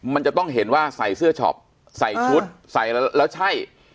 มันจะต้องเห็นว่าใส่เสื้อช็อปใส่ชุดใส่แล้วใช่